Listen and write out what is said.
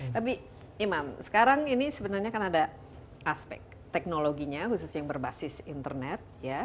tapi imam sekarang ini sebenarnya kan ada aspek teknologinya khusus yang berbasis internet